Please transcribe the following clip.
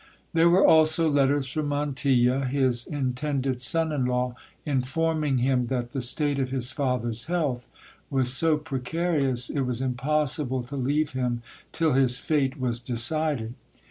There were also letters from Montilla, his intended son in law, informing him that the state of his father's health was so precarious, it was impossible to leave him till his fate was decided.